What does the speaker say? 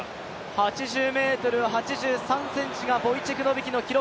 ８０ｍ８３ｃｍがボイチェク・ノビキの記録。